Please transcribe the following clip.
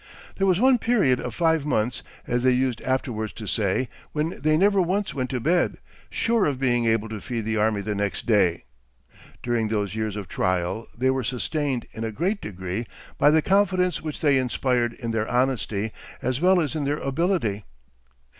There was one period of five months, as they used afterwards to say, when they never once went to bed sure of being able to feed the army the next day. During those years of trial they were sustained in a great degree by the confidence which they inspired in their honesty, as well as in their ability.